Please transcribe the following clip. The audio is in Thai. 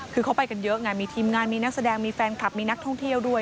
คือเขาไปกันเยอะไงมีทีมงานมีนักแสดงมีแฟนคลับมีนักท่องเที่ยวด้วย